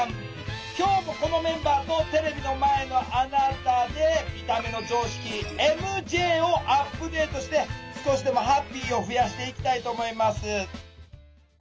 今日もこのメンバーとテレビの前のあなたで「見た目の常識ＭＪ」をアップデートして少しでもハッピーを増やしていきたいと思います。